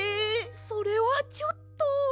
それはちょっと。